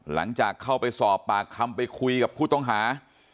หลังจากเข้าไปสอบปากคำไปคุยกับผู้ต้องหา